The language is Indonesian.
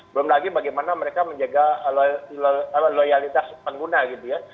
belum lagi bagaimana mereka menjaga loyalitas pengguna gitu ya